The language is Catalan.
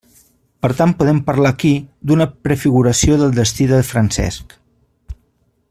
Per tant podem parlar aquí d'una prefiguració del destí de Francesc.